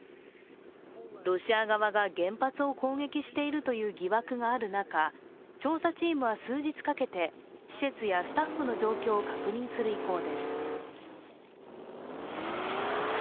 ロシア側が原発を攻撃しているという疑惑がある中調査チームは数日かけて施設やスタッフの状況を確認する意向です。